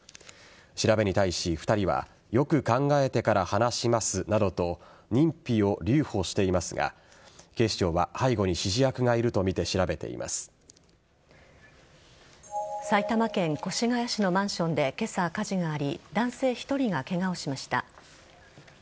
調べに対し、２人はよく考えてから話しますなどと認否を留保していますが警視庁は背後に指示役がいるとみて埼玉県越谷市のマンションで今朝、火事があり男性１人がケガをしました。